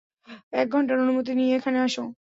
এক ঘন্টার অনুমতি নিয়ে এখানে আসো।